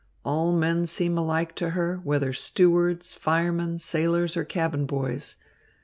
All men seem alike to her, whether stewards, firemen, sailors, or cabin boys.